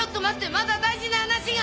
まだ大事な話が。